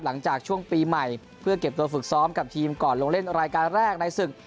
หลังจากช่วงปีใหม่เพื่อเก็บตัวฝึกซ้อมกับทีมก่อนลงเล่นรายการแรกในศึก